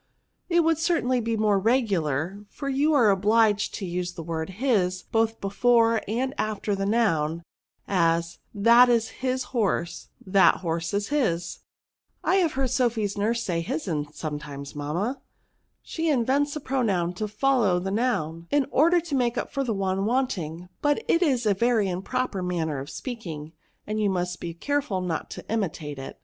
" It would certainly be more regular ; for you are obliged to use the word Awj both before and after the noun; as, that is his horse, that horse is his.'* " I have heard Sophy's nurse say, his*n sometimes, mamma." '* She invents a pronoim to follow the Q 170 PRONOUNS. noun^ in order to make up for the one want ing; but it is a very improper manner of speaking, and you must be careful not to imitate it.